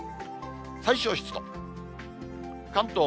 最小湿度。